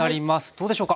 どうでしょう？